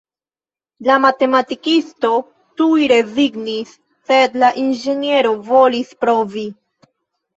La matematikisto tuj rezignis, sed la inĝeniero volis provi.